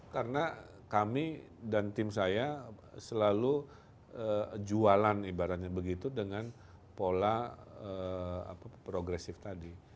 karena kami dan tim saya selalu jualan ibaratnya begitu dengan pola progresif tadi